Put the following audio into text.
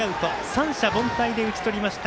三者凡退で打ち取りました。